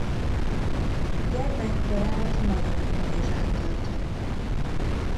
Gyermekkorát Magyarkanizsán töltötte.